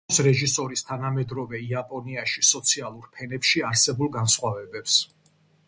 ასახავს რეჟისორის თანამედროვე იაპონიაში სოციალურ ფენებში არსებულ განსხვავებებს.